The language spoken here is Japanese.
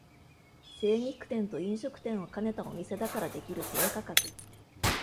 精肉店と飲食店を兼ねたお店だからできる低価格